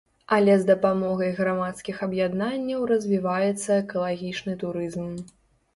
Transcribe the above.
Але з дапамогай грамадскіх аб'яднанняў развіваецца экалагічны турызм.